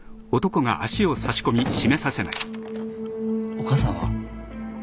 お母さんは？